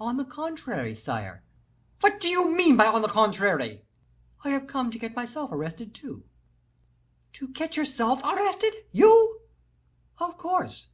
"On the contrary, sire." "What do you mean by 'on the contrary'?" "I have come to get myself arrested, too." "To get yourself arrested, you!" "Of course.